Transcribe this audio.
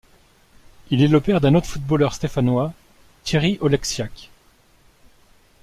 Il est le père d'un autre footballeur stéphanois, Thierry Oleksiak.